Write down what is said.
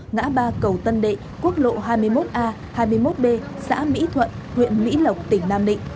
ngã ba cầu tân đệ quốc lộ hai mươi một a hai mươi một b xã mỹ thuận huyện mỹ lộc tỉnh nam định